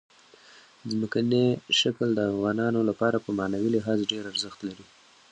ځمکنی شکل د افغانانو لپاره په معنوي لحاظ ډېر ارزښت لري.